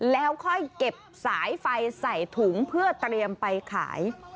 แล้วค่อยเก็บสายไฟใส่ถุงเพื่อเตรียมไปขาย